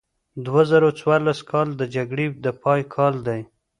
دوه زره څوارلس کال د جګړې د پای کال دی.